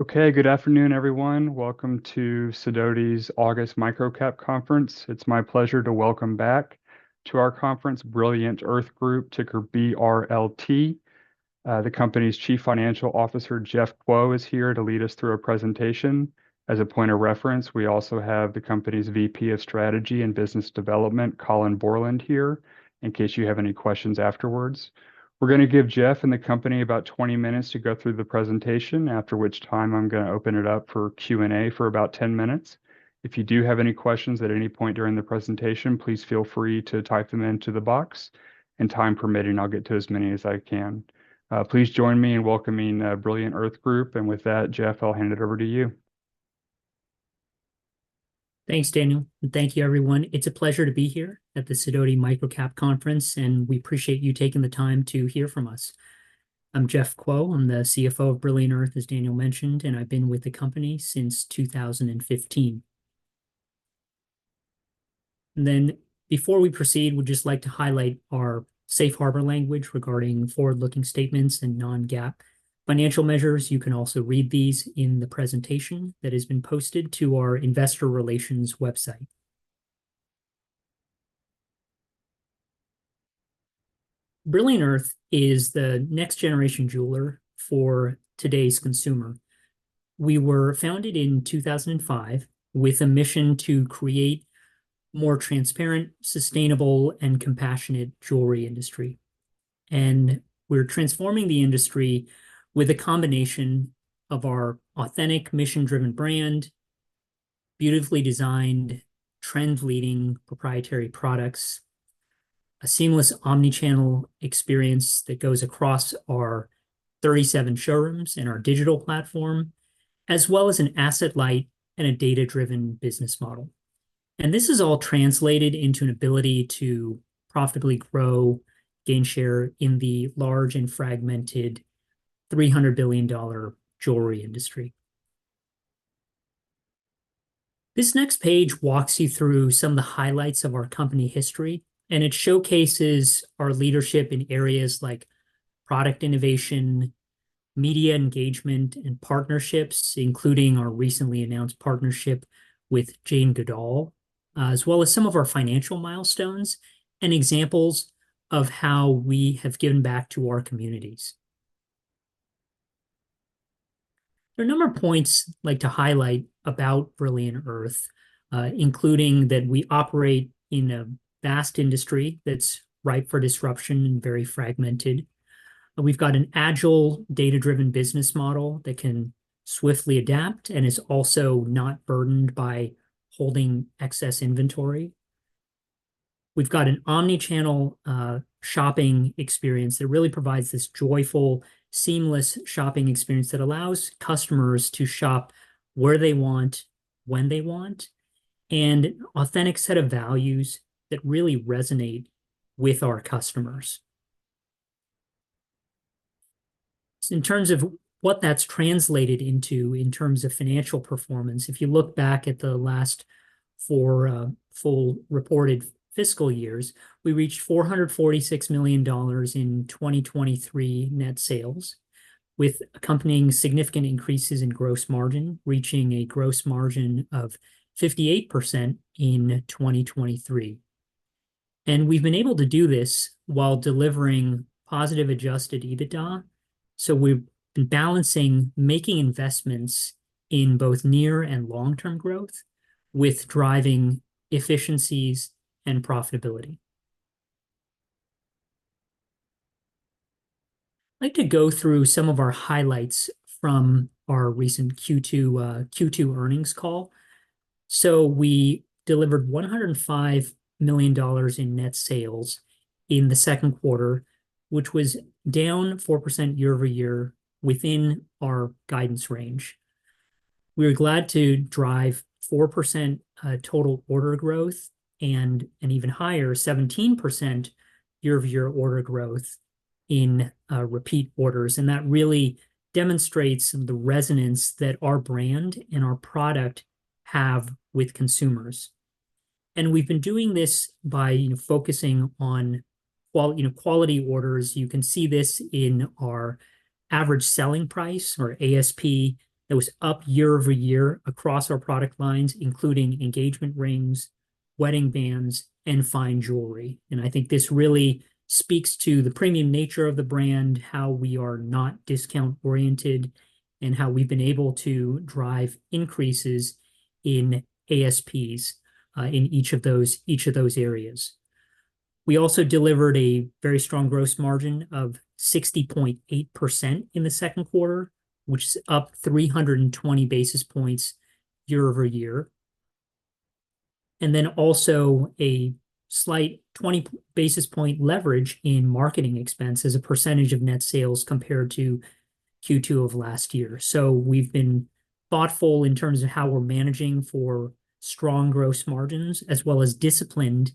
Okay. Good afternoon, everyone. Welcome to Sidoti's August Micro-Cap Conference. It's my pleasure to welcome back to our conference, Brilliant Earth Group, ticker BRLT. The company's Chief Financial Officer, Jeff Kuo, is here to lead us through a presentation. As a point of reference, we also have the company's VP of Strategy and Business Development, Colin Bourland, here, in case you have any questions afterwards. We're gonna give Jeff and the company about 20 minutes to go through the presentation, after which time I'm gonna open it up for Q&A for about 10 minutes. If you do have any questions at any point during the presentation, please feel free to type them into the box, and time permitting, I'll get to as many as I can. Please join me in welcoming Brilliant Earth Group, and with that, Jeff, I'll hand it over to you. Thanks, Daniel, and thank you, everyone. It's a pleasure to be here at the Sidoti Micro-Cap Conference, and we appreciate you taking the time to hear from us. I'm Jeff Kuo. I'm the CFO of Brilliant Earth, as Daniel mentioned, and I've been with the company since 2015. Then, before we proceed, we'd just like to highlight our safe harbor language regarding forward-looking statements and non-GAAP financial measures. You can also read these in the presentation that has been posted to our investor relations website. Brilliant Earth is the next-generation jeweler for today's consumer. We were founded in 2005 with a mission to create more transparent, sustainable, and compassionate jewelry industry. We're transforming the industry with a combination of our authentic, mission-driven brand, beautifully designed, trend-leading proprietary products, a seamless omnichannel experience that goes across our 37 showrooms and our digital platform, as well as an asset-light and a data-driven business model. This is all translated into an ability to profitably grow, gain share in the large and fragmented $300 billion jewelry industry. This next page walks you through some of the highlights of our company history, and it showcases our leadership in areas like product innovation, media engagement, and partnerships, including our recently announced partnership with Jane Goodall, as well as some of our financial milestones and examples of how we have given back to our communities. There are a number of points I'd like to highlight about Brilliant Earth, including that we operate in a vast industry that's ripe for disruption and very fragmented. We've got an agile, data-driven business model that can swiftly adapt and is also not burdened by holding excess inventory. We've got an omnichannel shopping experience that really provides this joyful, seamless shopping experience that allows customers to shop where they want, when they want, and an authentic set of values that really resonate with our customers. In terms of what that's translated into in terms of financial performance, if you look back at the last four full reported fiscal years, we reached $446 million in 2023 net sales, with accompanying significant increases in gross margin, reaching a gross margin of 58% in 2023. We've been able to do this while delivering positive adjusted EBITDA, so we've been balancing making investments in both near and long-term growth with driving efficiencies and profitability. I'd like to go through some of our highlights from our recent Q2 earnings call. We delivered $105 million in net sales in the second quarter, which was down 4% year-over-year within our guidance range. We were glad to drive 4% total order growth and an even higher 17% year-over-year order growth in repeat orders, and that really demonstrates the resonance that our brand and our product have with consumers. We've been doing this by, you know, focusing on quality orders. You can see this in our average selling price, or ASP, that was up year-over-year across our product lines, including engagement rings, wedding bands, and fine jewelry. I think this really speaks to the premium nature of the brand, how we are not discount-oriented, and how we've been able to drive increases in ASPs in each of those, each of those areas. We also delivered a very strong gross margin of 60.8% in the second quarter, which is up 320 basis points year-over-year. Then also a slight 20 basis point leverage in marketing expense as a percentage of net sales compared to Q2 of last year. We've been thoughtful in terms of how we're managing for strong gross margins, as well as disciplined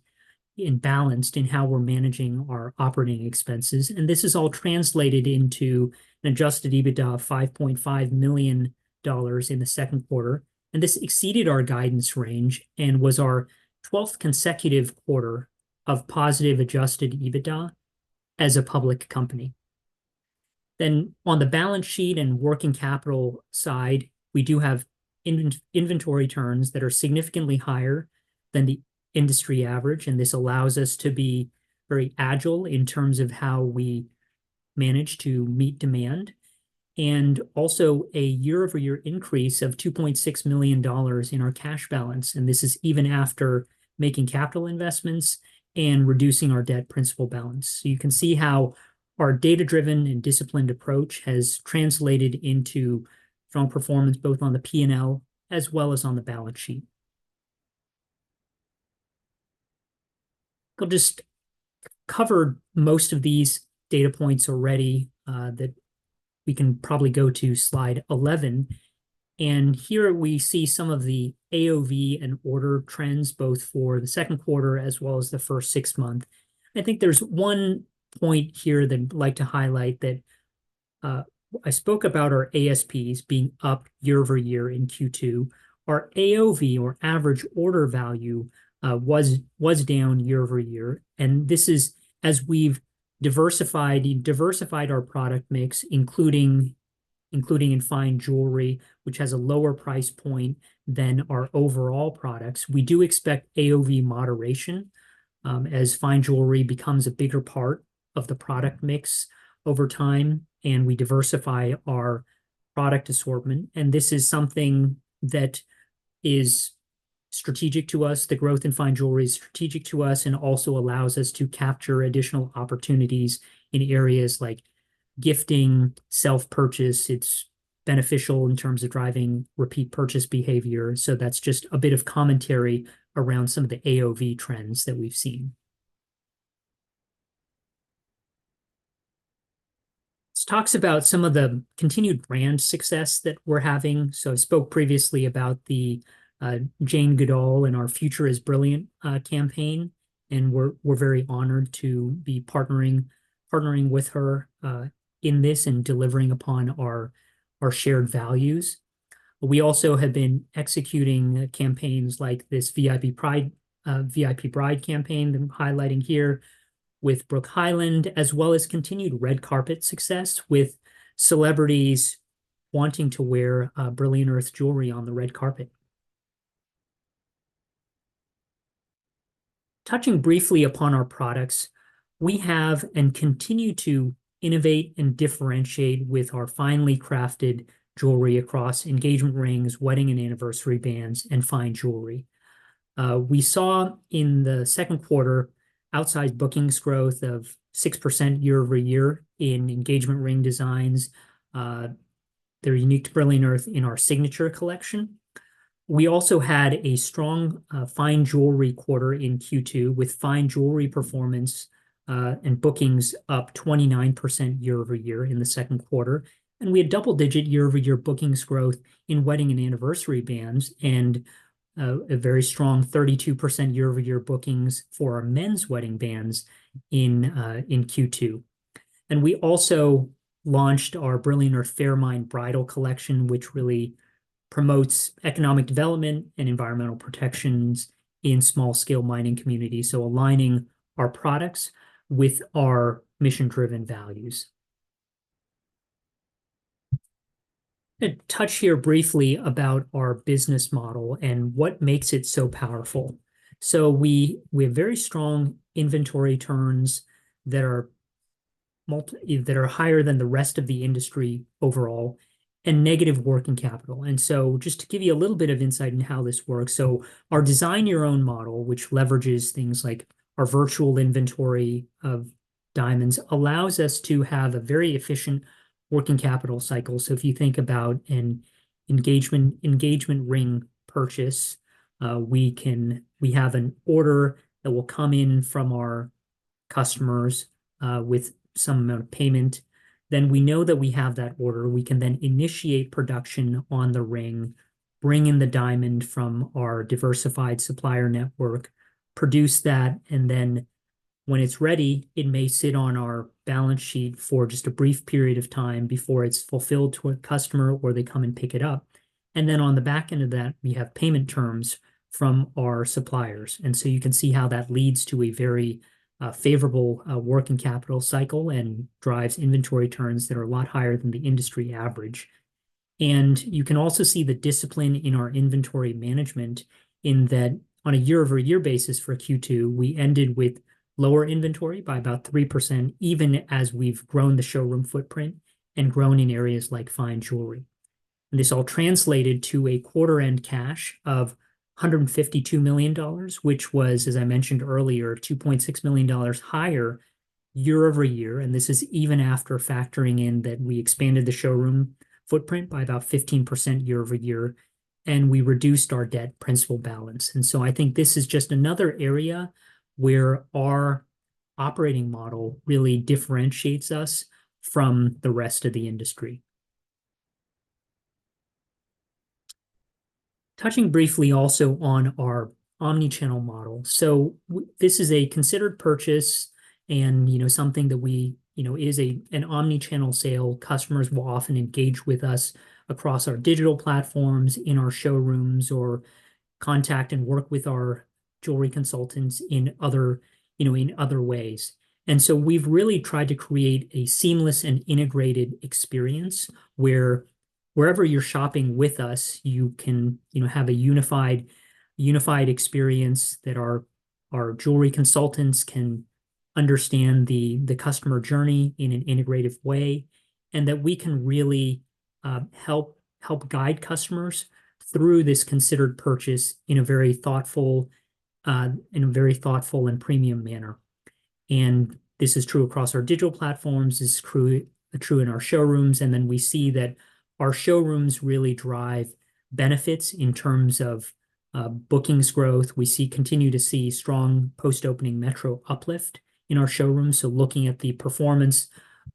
and balanced in how we're managing our operating expenses. This is all translated into an adjusted EBITDA of $5.5 million in the second quarter, and this exceeded our guidance range and was our 12th consecutive quarter of positive adjusted EBITDA as a public company. On the balance sheet and working capital side, we do have inventory turns that are significantly higher than the industry average, and this allows us to be very agile in terms of how we manage to meet demand. Also a year-over-year increase of $2.6 million in our cash balance, and this is even after making capital investments and reducing our debt principal balance. So you can see how our data-driven and disciplined approach has translated into strong performance, both on the P&L as well as on the balance sheet. I'll just cover most of these data points already that we can probably go to slide 11. And here we see some of the AOV and order trends, both for the second quarter as well as the first six months. I think there's one point here that I'd like to highlight, that I spoke about our ASPs being up year-over-year in Q2. Our AOV, or average order value, was down year-over-year, and this is as we've diversified our product mix, including in fine jewelry, which has a lower price point than our overall products. We do expect AOV moderation as fine jewelry becomes a bigger part of the product mix over time, and we diversify our product assortment. And this is something that is strategic to us. The growth in fine jewelry is strategic to us and also allows us to capture additional opportunities in areas like gifting, self-purchase. It's beneficial in terms of driving repeat purchase behavior, so that's just a bit of commentary around some of the AOV trends that we've seen. This talks about some of the continued brand success that we're having. So I spoke previously about the Jane Goodall and Our Future Is Brilliant campaign, and we're very honored to be partnering with her in this and delivering upon our shared values. We also have been executing campaigns like this VIP Bride campaign, highlighting here with Brooke Hyland, as well as continued red carpet success with celebrities wanting to wear Brilliant Earth jewelry on the red carpet. Touching briefly upon our products, we have and continue to innovate and differentiate with our finely crafted jewelry across engagement rings, wedding and anniversary bands, and fine jewelry. We saw in the second quarter, outside bookings growth of 6% year-over-year in engagement ring designs, the unique to Brilliant Earth in our Signature Collection. We also had a strong fine jewelry quarter in Q2, with fine jewelry performance and bookings up 29% year-over-year in the second quarter. And we had double-digit year-over-year bookings growth in wedding and anniversary bands, and a very strong 32% year-over-year bookings for our men's wedding bands in Q2. And we also launched our Brilliant Earth Fairmined Bridal Collection, which really promotes economic development and environmental protections in small-scale mining communities, so aligning our products with our mission-driven values. I'll touch here briefly about our business model and what makes it so powerful. So we have very strong inventory turns that are higher than the rest of the industry overall, and negative working capital. So just to give you a little bit of insight in how this works, our design your own model, which leverages things like our virtual inventory of diamonds, allows us to have a very efficient working capital cycle. So if you think about an engagement ring purchase, we have an order that will come in from our customers with some amount of payment. Then we know that we have that order. We can then initiate production on the ring, bring in the diamond from our diversified supplier network, produce that, and then when it's ready, it may sit on our balance sheet for just a brief period of time before it's fulfilled to a customer or they come and pick it up. And then on the back end of that, we have payment terms from our suppliers. And so you can see how that leads to a very, favorable, working capital cycle and drives inventory turns that are a lot higher than the industry average. And you can also see the discipline in our inventory management in that on a year-over-year basis for Q2, we ended with lower inventory by about 3%, even as we've grown the showroom footprint and grown in areas like fine jewelry. And this all translated to a quarter-end cash of $152 million, which was, as I mentioned earlier, $2.6 million higher year-over-year, and this is even after factoring in that we expanded the showroom footprint by about 15% year-over-year, and we reduced our debt principal balance. And so I think this is just another area where our operating model really differentiates us from the rest of the industry. Touching briefly also on our omni-channel model. So this is a considered purchase and, you know, something that we, you know, is a, an omni-channel sale. Customers will often engage with us across our digital platforms, in our showrooms, or contact and work with our jewelry consultants in other, you know, in other ways. And so we've really tried to create a seamless and integrated experience where-... wherever you're shopping with us, you can, you know, have a unified experience that our jewelry consultants can understand the customer journey in an integrative way, and that we can really help guide customers through this considered purchase in a very thoughtful and premium manner. And this is true across our digital platforms, this is true in our showrooms, and then we see that our showrooms really drive benefits in terms of bookings growth. We continue to see strong post-opening metro uplift in our showrooms. So looking at the performance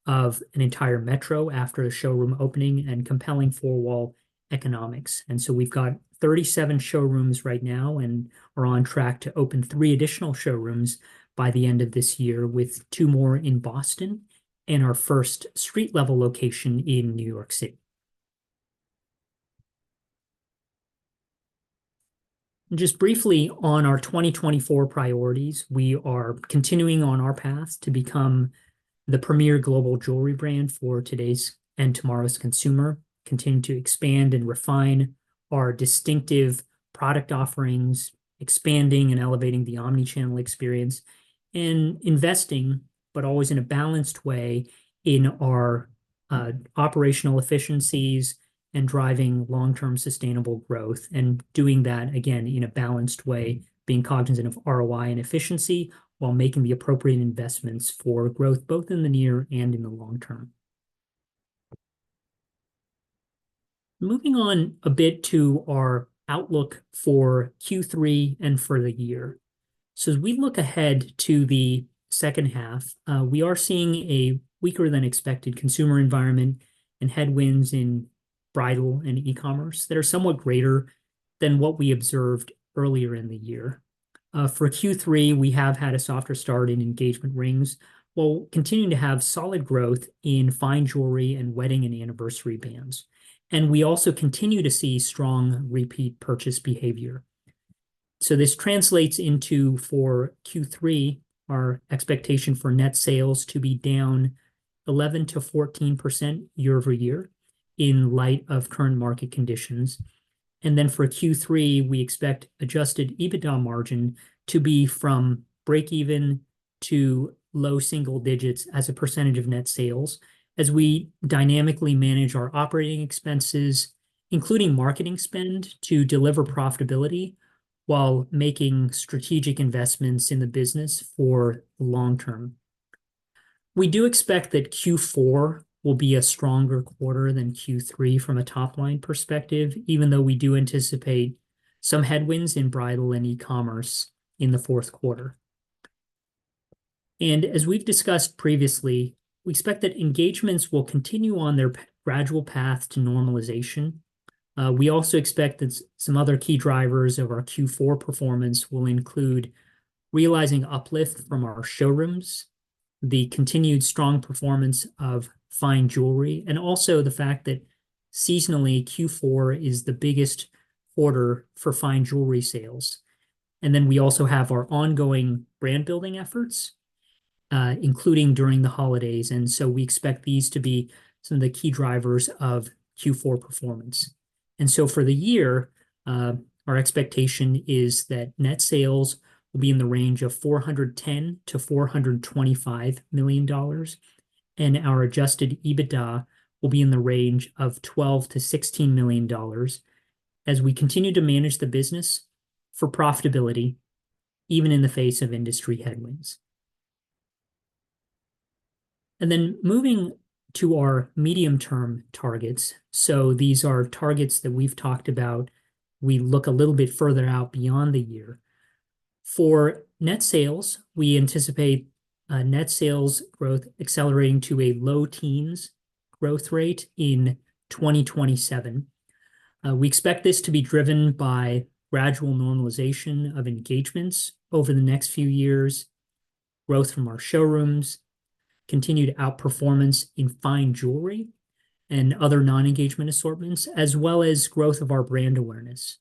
of an entire metro after a showroom opening and compelling four-wall economics. And so we've got 37 showrooms right now, and we're on track to open three additional showrooms by the end of this year, with two more in Boston and our first street-level location in New York City. Just briefly on our 2024 priorities. We are continuing on our path to become the premier global jewelry brand for today's and tomorrow's consumer, continuing to expand and refine our distinctive product offerings, expanding and elevating the omnichannel experience, and investing, but always in a balanced way, in our operational efficiencies and driving long-term sustainable growth. And doing that, again, in a balanced way, being cognizant of ROI and efficiency, while making the appropriate investments for growth, both in the near and in the long term. Moving on a bit to our outlook for Q3 and for the year. So as we look ahead to the second half, we are seeing a weaker-than-expected consumer environment and headwinds in bridal and e-commerce that are somewhat greater than what we observed earlier in the year. For Q3, we have had a softer start in engagement rings. We'll continue to have solid growth in fine jewelry and wedding and anniversary bands, and we also continue to see strong repeat purchase behavior. So this translates into, for Q3, our expectation for net sales to be down 11%-14% year-over-year in light of current market conditions. And then for Q3, we expect adjusted EBITDA margin to be from break-even to low single digits as a percentage of net sales, as we dynamically manage our operating expenses, including marketing spend, to deliver profitability while making strategic investments in the business for the long term. We do expect that Q4 will be a stronger quarter than Q3 from a top-line perspective, even though we do anticipate some headwinds in bridal and e-commerce in the fourth quarter. And as we've discussed previously, we expect that engagements will continue on their gradual path to normalization. We also expect that some other key drivers of our Q4 performance will include realizing uplift from our showrooms, the continued strong performance of fine jewelry, and also the fact that seasonally, Q4 is the biggest quarter for fine jewelry sales. And then we also have our ongoing brand-building efforts, including during the holidays, and so we expect these to be some of the key drivers of Q4 performance. And so for the year, our expectation is that net sales will be in the range of $410 million-$425 million, and our adjusted EBITDA will be in the range of $12 million-$16 million as we continue to manage the business for profitability, even in the face of industry headwinds. Moving to our medium-term targets. These are targets that we've talked about. We look a little bit further out beyond the year. For net sales, we anticipate, net sales growth accelerating to a low teens growth rate in 2027. We expect this to be driven by gradual normalization of engagements over the next few years, growth from our showrooms, continued outperformance in fine jewelry and other non-engagement assortments, as well as growth of our brand awareness.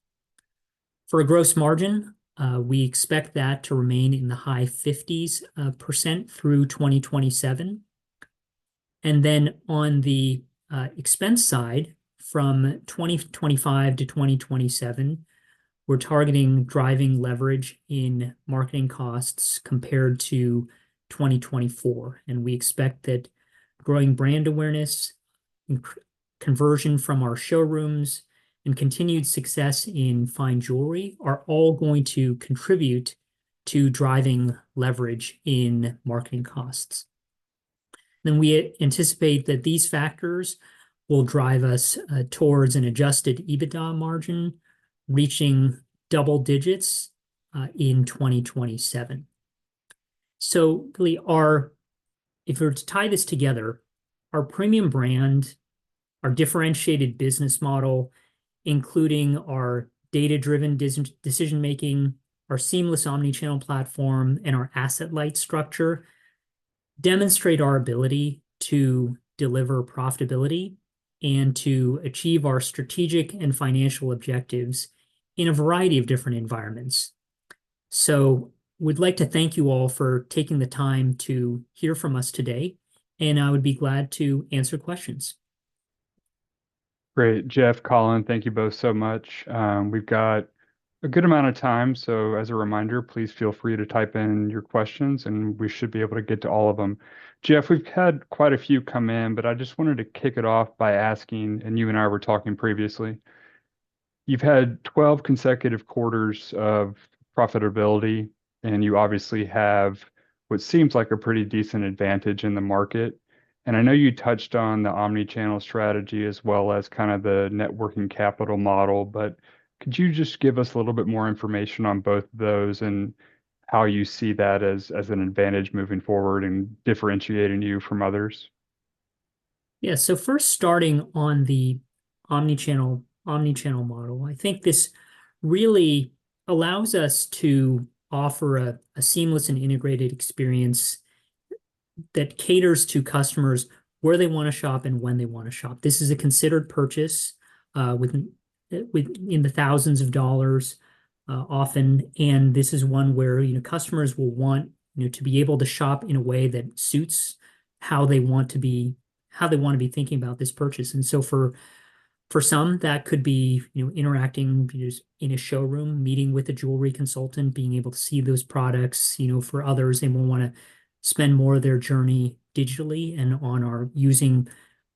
For a gross margin, we expect that to remain in the high 50s% through 2027. Then on the expense side, from 2025 to 2027, we're targeting driving leverage in marketing costs compared to 2024, and we expect that growing brand awareness, conversion from our showrooms, and continued success in fine jewelry are all going to contribute to driving leverage in marketing costs. We anticipate that these factors will drive us towards an adjusted EBITDA margin reaching double digits in 2027. Really, if we were to tie this together, our premium brand, our differentiated business model, including our data-driven decision-making, our seamless omnichannel platform, and our asset-light structure, demonstrate our ability to deliver profitability and to achieve our strategic and financial objectives in a variety of different environments. We'd like to thank you all for taking the time to hear from us today, and I would be glad to answer questions. Great. Jeff, Colin, thank you both so much. We've got a good amount of time, so as a reminder, please feel free to type in your questions, and we should be able to get to all of them. Jeff, we've had quite a few come in, but I just wanted to kick it off by asking, and you and I were talking previously, you've had 12 consecutive quarters of profitability, and you obviously have what seems like a pretty decent advantage in the market. I know you touched on the omni-channel strategy as well as kind of the net working capital model, but could you just give us a little bit more information on both those, and how you see that as, as an advantage moving forward and differentiating you from others? Yeah. So first, starting on the omni-channel, omni-channel model. I think this really allows us to offer a seamless and integrated experience that caters to customers where they wanna shop and when they wanna shop. This is a considered purchase within the thousands of dollars, often, and this is one where, you know, customers will want, you know, to be able to shop in a way that suits how they want to be, how they wanna be thinking about this purchase. And so for some, that could be, you know, interacting with viewers in a showroom, meeting with a jewelry consultant, being able to see those products. You know, for others, they will wanna spend more of their journey digitally and on our... Using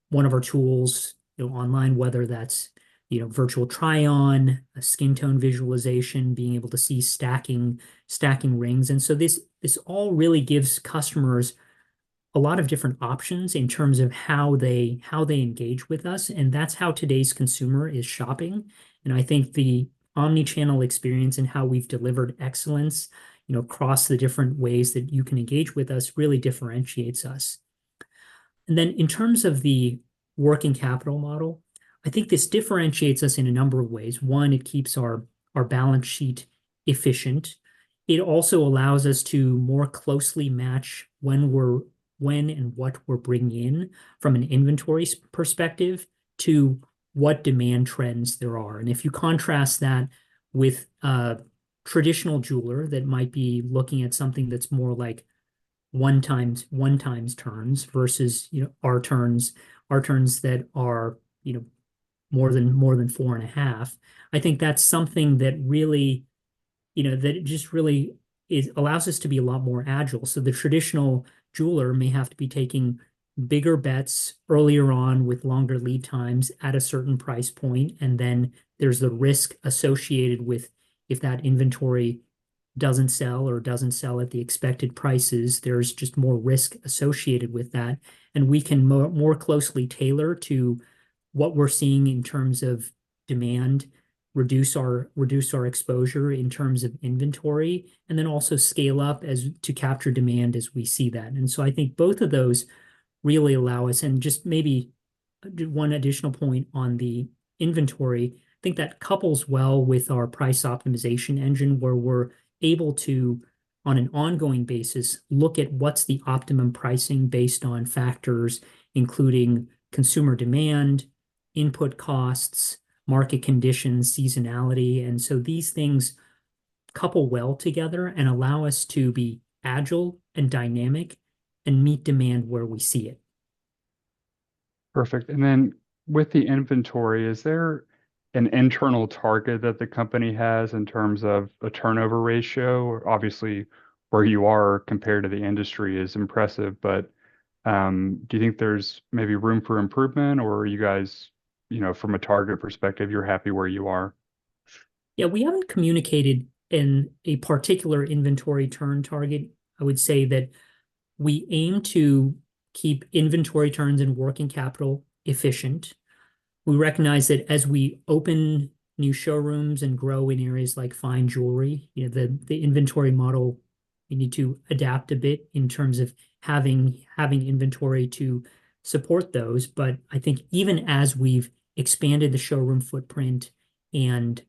one of our tools, you know, online, whether that's, you know, virtual try-on, a skin tone visualization, being able to see stacking, stacking rings. So this, this all really gives customers a lot of different options in terms of how they, how they engage with us, and that's how today's consumer is shopping. I think the omnichannel experience and how we've delivered excellence, you know, across the different ways that you can engage with us, really differentiates us. Then in terms of the working capital model, I think this differentiates us in a number of ways. One, it keeps our, our balance sheet efficient. It also allows us to more closely match when we're—when and what we're bringing in from an inventory perspective to what demand trends there are. And if you contrast that with a traditional jeweler that might be looking at something that's more like 1x, 1x turns versus, you know, our turns, our turns that are, you know, more than 4.5x, I think that's something that really, you know, that it just really allows us to be a lot more agile. So the traditional jeweler may have to be taking bigger bets earlier on with longer lead times at a certain price point, and then there's the risk associated with if that inventory doesn't sell or doesn't sell at the expected prices, there's just more risk associated with that. And we can more closely tailor to what we're seeing in terms of demand, reduce our exposure in terms of inventory, and then also scale up to capture demand as we see that. And so I think both of those really allow us... And just maybe one additional point on the inventory, I think that couples well with our price optimization engine, where we're able to, on an ongoing basis, look at what's the optimum pricing based on factors including consumer demand, input costs, market conditions, seasonality. And so these things couple well together and allow us to be agile and dynamic, and meet demand where we see it. Perfect. Then with the inventory, is there an internal target that the company has in terms of a turnover ratio? Obviously, where you are compared to the industry is impressive, but, do you think there's maybe room for improvement, or are you guys, you know, from a target perspective, you're happy where you are? Yeah, we haven't communicated in a particular inventory turn target. I would say that we aim to keep inventory turns and working capital efficient. We recognize that as we open new showrooms and grow in areas like fine jewelry, you know, the inventory model, we need to adapt a bit in terms of having inventory to support those. But I think even as we've expanded the showroom footprint and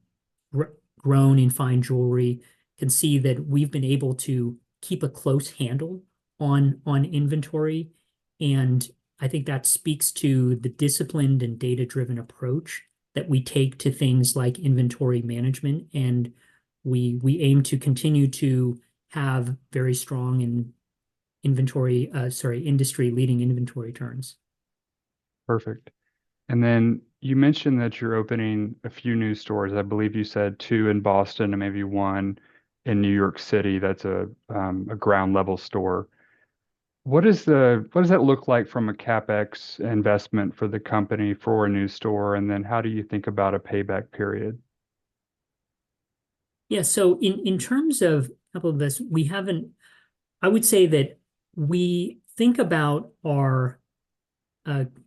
grown in fine jewelry, can see that we've been able to keep a close handle on inventory, and I think that speaks to the disciplined and data-driven approach that we take to things like inventory management, and we aim to continue to have very strong and industry-leading inventory turns. Perfect. And then you mentioned that you're opening a few new stores. I believe you said two in Boston and maybe one in New York City, that's a ground-level store. What does that look like from a CapEx investment for the company for a new store? And then how do you think about a payback period? Yeah. So in terms of a couple of these, we haven't. I would say that we think about our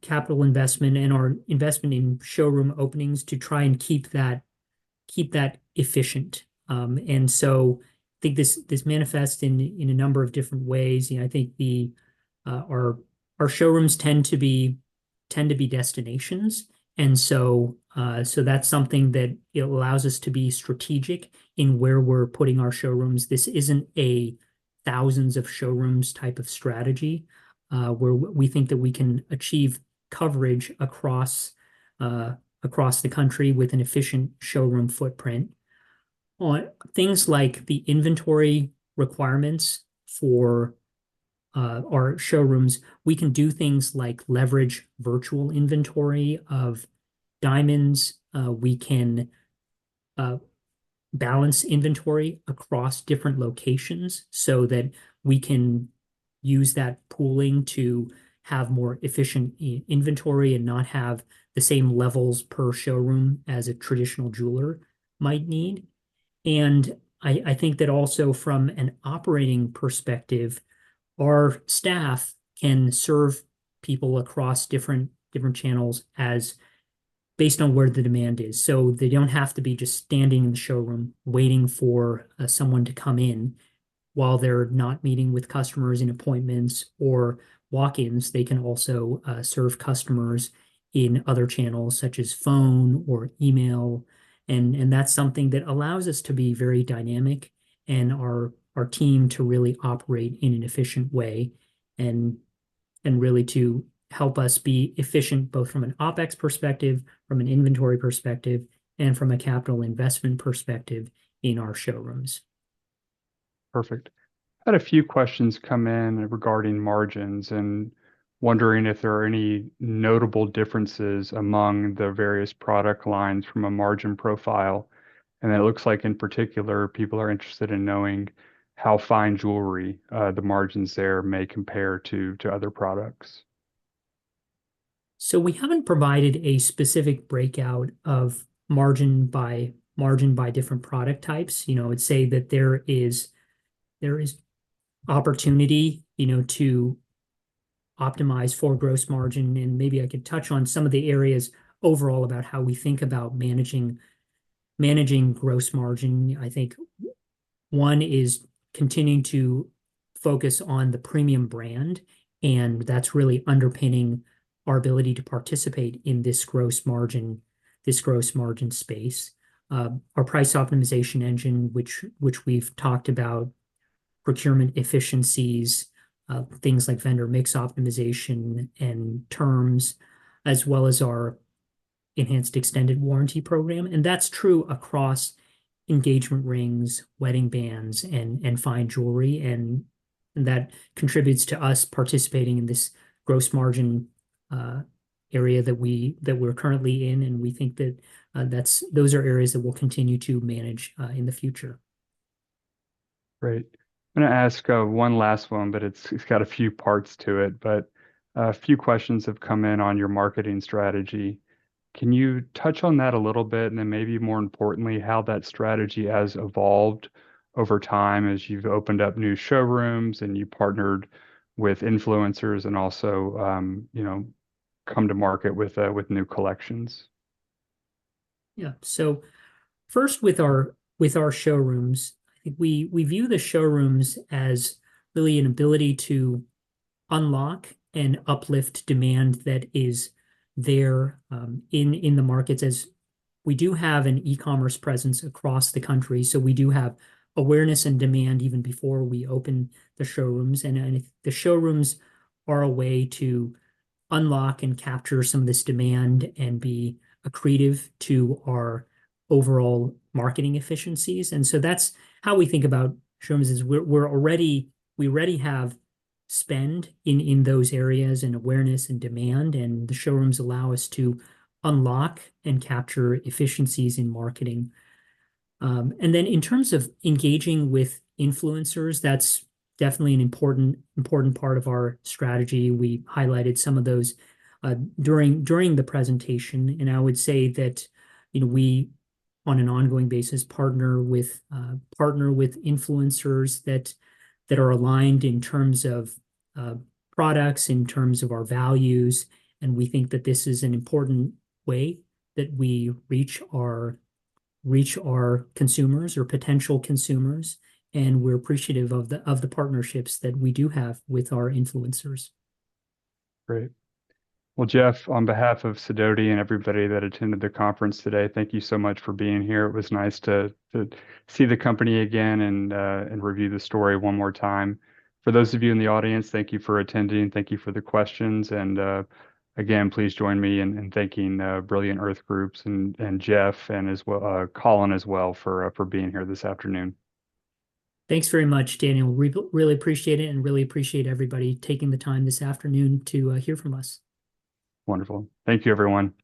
capital investment and our investment in showroom openings to try and keep that efficient. And so I think this manifests in a number of different ways, and I think our showrooms tend to be destinations. And so that's something that it allows us to be strategic in where we're putting our showrooms. This isn't thousands of showrooms type of strategy, where we think that we can achieve coverage across the country with an efficient showroom footprint. On things like the inventory requirements for our showrooms, we can do things like leverage virtual inventory of diamonds. We can balance inventory across different locations so that we can use that pooling to have more efficient inventory and not have the same levels per showroom as a traditional jeweler might need. And I think that also from an operating perspective, our staff can serve people across different channels as based on where the demand is. So they don't have to be just standing in the showroom waiting for someone to come in. While they're not meeting with customers in appointments or walk-ins, they can also serve customers in other channels, such as phone or email, and that's something that allows us to be very dynamic, and our team to really operate in an efficient way, and really to help us be efficient, both from an OpEx perspective, from an inventory perspective, and from a capital investment perspective in our showrooms. Perfect. Had a few questions come in regarding margins, and wondering if there are any notable differences among the various product lines from a margin profile. It looks like, in particular, people are interested in knowing how fine jewelry, the margins there may compare to other products. So we haven't provided a specific breakout of margin by, margin by different product types. You know, I'd say that there is, there is opportunity, you know, to optimize for gross margin, and maybe I could touch on some of the areas overall about how we think about managing, managing gross margin. I think one is continuing to focus on the premium brand, and that's really underpinning our ability to participate in this gross margin, this gross margin space. Our price optimization engine, which, which we've talked about, procurement efficiencies, things like vendor mix optimization and terms, as well as our enhanced extended warranty program, and that's true across engagement rings, wedding bands, and, and fine jewelry, and that contributes to us participating in this gross margin, area that we're currently in, and we think that, that's... Those are areas that we'll continue to manage, in the future. Great. I'm gonna ask one last one, but it's got a few parts to it. But a few questions have come in on your marketing strategy. Can you touch on that a little bit, and then maybe more importantly, how that strategy has evolved over time as you've opened up new showrooms, and you partnered with influencers and also, you know, come to market with new collections? Yeah. So first, with our, with our showrooms, I think we, we view the showrooms as really an ability to unlock and uplift demand that is there, in, in the markets, as we do have an e-commerce presence across the country, so we do have awareness and demand even before we open the showrooms. And the showrooms are a way to unlock and capture some of this demand and be accretive to our overall marketing efficiencies. And so that's how we think about showrooms, is we're already we already have spend in, in those areas, and awareness and demand, and the showrooms allow us to unlock and capture efficiencies in marketing. And then in terms of engaging with influencers, that's definitely an important part of our strategy. We highlighted some of those during the presentation, and I would say that, you know, we, on an ongoing basis, partner with influencers that are aligned in terms of products, in terms of our values, and we think that this is an important way that we reach our consumers or potential consumers, and we're appreciative of the partnerships that we do have with our influencers. Great. Well, Jeff, on behalf of Sidoti and everybody that attended the conference today, thank you so much for being here. It was nice to see the company again and review the story one more time. For those of you in the audience, thank you for attending, thank you for the questions, and again, please join me in thanking Brilliant Earth Group and Jeff, and as well, Colin as well, for being here this afternoon. Thanks very much, Daniel. We really appreciate it and really appreciate everybody taking the time this afternoon to hear from us. Wonderful. Thank you, everyone.